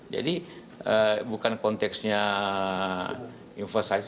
jadi bukan konteksnya investasi